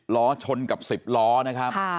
ล้อชนกับ๑๐ล้อนะครับ